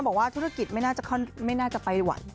บอกว่าธุรกิจไม่น่าจะไปไหว